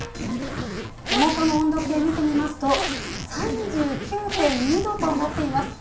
手元の温度計見てみますと、３９．２度となっています。